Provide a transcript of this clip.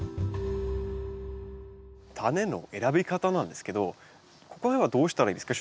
タネの選び方なんですけどこれはどうしたらいいですか？